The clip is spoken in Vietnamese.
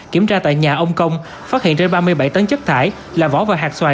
kiểm tra tại nhà ông công phát hiện trên ba mươi bảy tấn chất thải là vỏ và hạt xoài